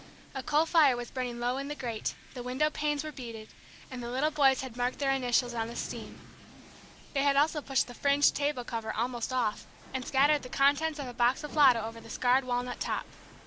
A coal fire was burning low in the grate, the window panes were beaded, and the little boys had marked their initials in the steam. They had also pushed the fringed table cover almost off, and scattered the contents of a box of "Lotto" over the scarred walnut top.